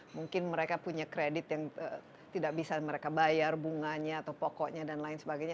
mungkin mereka punya kredit yang tidak bisa mereka bayar bunganya atau pokoknya dan lain sebagainya